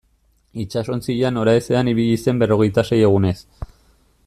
Itsasontzia noraezean ibili zen berrogeita sei egunez.